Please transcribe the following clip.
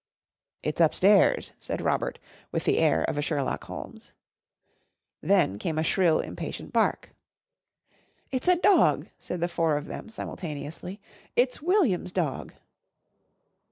"It's upstairs," said Robert with the air of a Sherlock Holmes. Then came a shrill, impatient bark. "It's a dog!" said the four of them simultaneously. "It's William's dog."